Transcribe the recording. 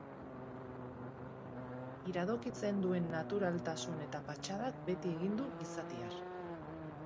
Iradokitzen duen naturaltasun eta patxadak beti egin du gizatiar.